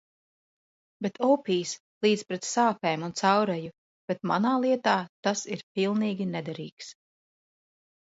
Bet opijs līdz pret sāpēm un caureju, bet manā lietā tas ir pilnīgi nederīgs.